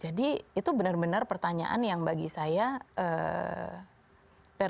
jadi itu benar benar pertanyaan yang bagi saya paradigm shifting